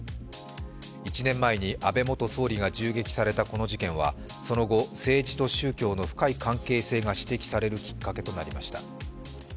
１年前に安倍元総理が銃撃されたこの事件はその後、政治と宗教の深い関係性が指摘されるきっかけとなりました。